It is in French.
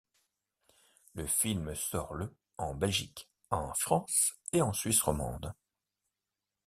Le film sort le en Belgique, en France et en Suisse romande.